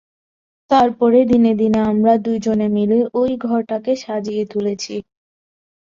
তার পরে দিনে দিনে আমরা দুজনে মিলে ঐ ঘরটাকে সাজিয়ে তুলেছি।